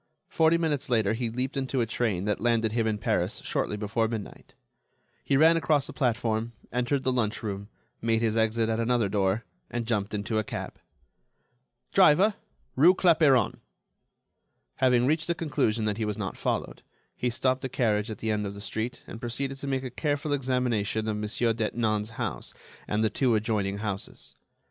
Forty minutes later he leaped into a train that landed him in Paris shortly before midnight. He ran across the platform, entered the lunch room, made his exit at another door, and jumped into a cab. "Driver—rue Clapeyron." Having reached the conclusion that he was not followed, he stopped the carriage at the end of the street, and proceeded to make a careful examination of Monsieur Detinan's house and the two adjoining houses.